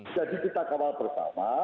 jadi kita kawal pertama